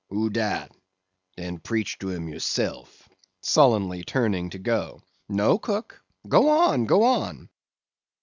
"Who dat? Den preach to him yourself," sullenly turning to go. "No, cook; go on, go on."